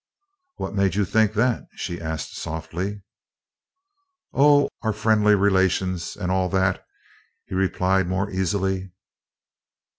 "What made you think that?" she asked softly. "Oh, our friendly relations, and all that," he replied more easily.